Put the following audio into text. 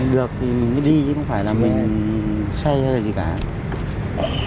được thì mình mới đi chứ không phải là mình xay hay gì cả